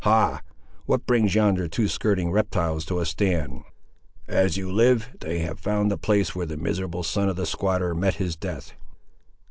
Ha! what brings yonder two skirting reptiles to a stand? As you live, they have found the place where the miserable son of the squatter met his death!"